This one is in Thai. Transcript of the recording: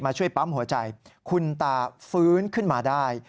ช่วยปั๊มหัวใจคุณตาฟื้นขึ้นมาได้